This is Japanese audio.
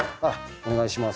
お願いします。